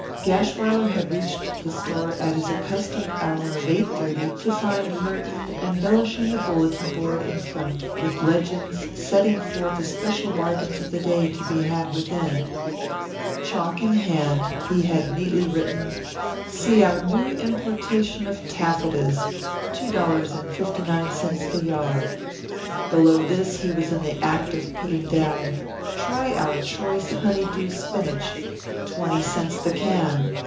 Gashwiler had reached the store at his accustomed hour of 8:30 to find Merton embellishing the bulletin board in front with legends setting forth especial bargains of the day to be had within. Chalk in hand, he had neatly written, "See our new importation of taffetas, $2.59 the yard." Below this he was in the act of putting down, "Try our choice Honey dew spinach, 20 cts. the can."